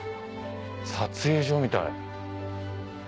撮影所みたい。